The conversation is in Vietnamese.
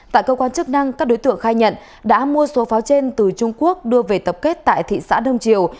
tại cơ quan chức năng các đối tượng khai nhận đã mua số pháo trên từ trung quốc đưa về tập kết tại thị xã đông triều